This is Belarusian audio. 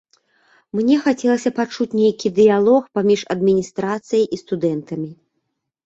Мне хацелася пачуць нейкі дыялог паміж адміністрацыяй і студэнтамі.